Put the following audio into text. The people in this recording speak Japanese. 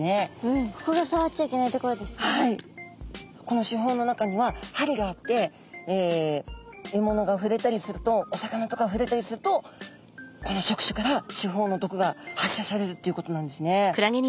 この刺胞の中には針があってえものがふれたりするとお魚とかふれたりするとこの触手から刺胞の毒が発射されるっていうことなんですね。